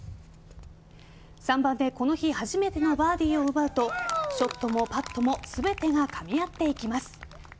３番でこの日初めてのバーディーを奪うとショットもパットも全てがかみ合っていきます。